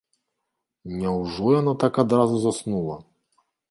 Няўжо яна так адразу заснула?!